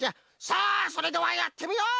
さあそれではやってみよう！